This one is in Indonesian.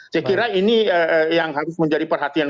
saya kira ini yang harus menjadi perhatian